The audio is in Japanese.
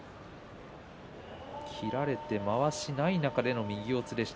切られて、まわしがない中での右四つでした。